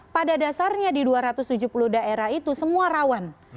pada dasarnya di dua ratus tujuh puluh daerah itu semua rawan